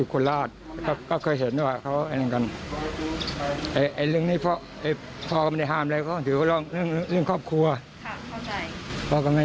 ก็ไม่ทราบเขาก็อยู่ด้วยกันเพราะว่าเราไม่ค่อยได้สนิทกันนะครับ